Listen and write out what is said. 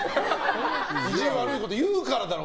意地悪いこと言うからだろ！